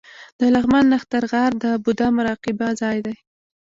د لغمان نښتر غار د بودا مراقبه ځای دی